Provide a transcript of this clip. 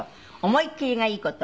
「思い切りがいい事」